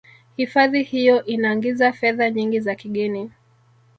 hifadhi hiyo inangiza fedha nyingi za kigeni